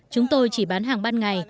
chúng tôi chỉ bán hàng ban ngày